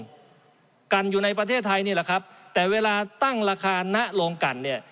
กันอยู่ในประเทศไทยนี่แหละครับแต่เวลาตั้งราคาณโรงกันเนี่ย